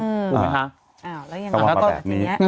ก็ยังล่าวมาแบบนี้